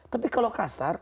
tapi kalau kasar